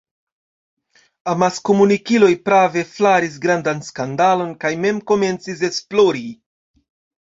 Amaskomunikiloj prave flaris grandan skandalon kaj mem komencis esplori.